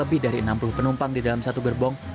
sebagai contoh penumpang yang berpengalaman berpengalaman